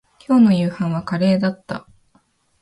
今日の夕飯はカレーだった